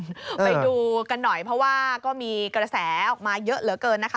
ไปดูกันหน่อยเพราะว่าก็มีกระแสออกมาเยอะเหลือเกินนะคะ